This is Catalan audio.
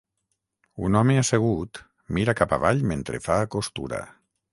Un home assegut mira cap avall mentre fa costura.